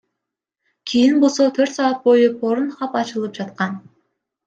Кийин болсо төрт саат бою Порнхаб ачылып жаткан.